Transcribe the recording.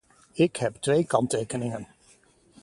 Ik heb twee kanttekeningen.